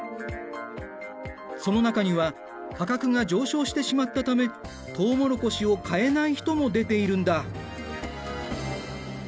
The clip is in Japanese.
その中には価格が上昇してしまったためとうもろこしを買えない人も出ているんだ。